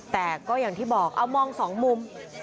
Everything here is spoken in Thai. แต่ก็อย่างที่บอกเอามองสองมุม